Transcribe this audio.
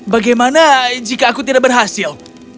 bagaimana jika aku tidak berhasil